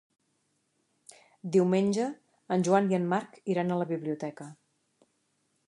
Diumenge en Joan i en Marc iran a la biblioteca.